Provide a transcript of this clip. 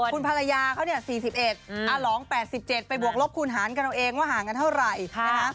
คุณภรรยาเขา๔๑ปีอารองค์๘๗ปีไปบวกลบคุณห่างกันเราเองว่าห่างกันเท่าไหร่